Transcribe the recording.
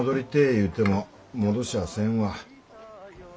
言うても戻しゃあせんわ。